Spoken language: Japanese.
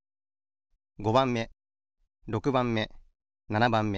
５ばんめ６ばんめ７ばんめ。